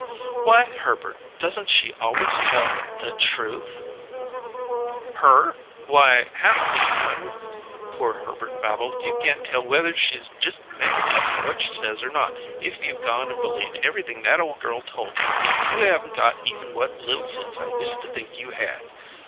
"Why, Herbert! Doesn't she always tell the truth?" "Her? Why, half the time," poor Herbert babbled, "you can't tell whether she's just makin' up what she says or not. If you've gone and believed everything that ole girl told you, you haven't got even what little sense I used to think you had!"